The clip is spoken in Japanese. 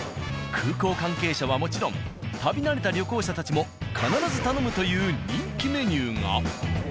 空港関係者はもちろん旅慣れた旅行者たちも必ず頼むという決まってる？